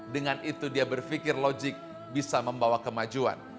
dengan itu dia berpikir logik bisa membawa kemajuan